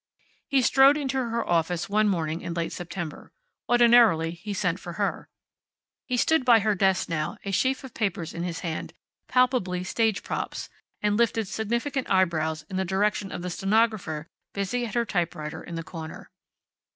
He strode into her office one morning in late September. Ordinarily he sent for her. He stood by her desk now, a sheaf of papers in his hand, palpably stage props, and lifted significant eyebrows in the direction of the stenographer busy at her typewriter in the corner.